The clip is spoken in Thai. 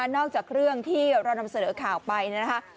จากเรื่องที่เรานำเสนอข่าวไปนะคะ